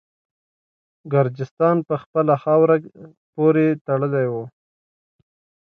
ګرجستان په خپله خاوره پوري تړلی وو.